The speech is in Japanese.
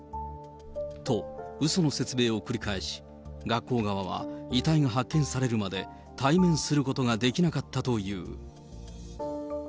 と、うその説明を繰り返し、学校側は遺体が発見されるまで対面することができなかったという。